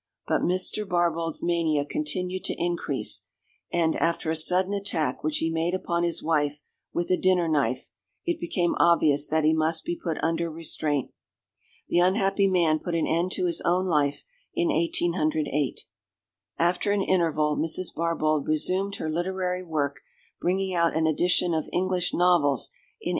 But Mr. Barbauld's mania continued to increase, and after a sudden attack which he made upon his wife with a dinner knife, it became obvious that he must be put under restraint. The unhappy man put an end to his own life in 1808. After an interval, Mrs. Barbauld resumed her literary work, bringing out an edition of English Novels in 1810.